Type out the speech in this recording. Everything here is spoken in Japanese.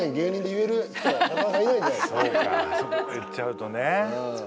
言っちゃうとね。